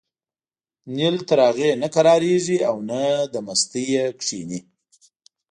نیل تر هغې نه کرارېږي او نه له مستۍ کېني.